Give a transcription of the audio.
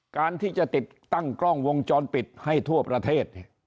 การที่จะติดตั้งกล้องวงจรปิดให้ทั่วประเทศ